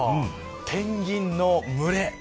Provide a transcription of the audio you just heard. ペンギンの群れ。